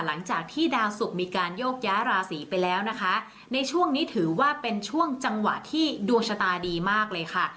หลังจากที่ดาวสุกมีการโยกย้าราศีไปแล้วนะคะในช่วงนี้ถือว่าเป็นช่วงจังหวะที่ดวงชะตาดีมากเลยค่ะ